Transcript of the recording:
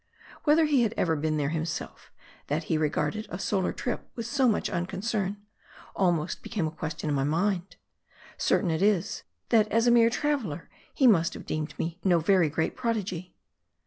Whether he had ever been there himself, that he regarded a solar trip with so much unconcern, almost became a question in my mind. Certain it is, that as a mere traveler he must have deemed me no very great prodigy.